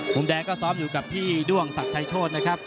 มุมแดงก็ซ้อมอยู่กับพี่ด้วงศักดิ์ชายโชธนะครับ